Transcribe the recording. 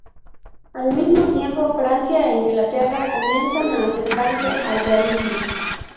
Al mismo tiempo, Francia e Inglaterra comienzan a acercarse al realismo.